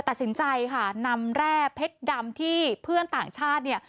ตัดสินใจค่ะนำแร่เพชรดำที่เพื่อนต่างชาติเนี่ย